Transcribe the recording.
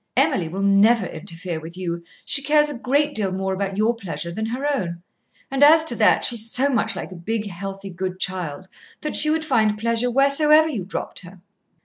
Emily will never interfere with you. She cares a great deal more about your pleasure than her own. And as to that, she's so much like a big, healthy, good child that she would find pleasure wheresoever you dropped her."